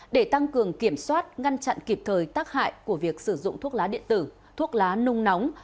để tăng cường kiểm soát ngăn chặn kịp thời tác hại của việc sử dụng thuốc lá điện tử thuốc lá nung nóng